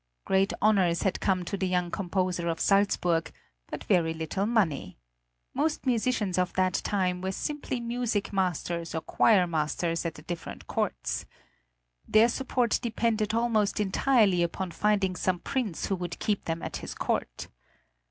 Great honors had come to the young composer of Salzburg, but very little money. Most musicians of that time were simply music masters or choirmasters at the different courts. Their support depended almost entirely upon finding some prince who would keep them at his court.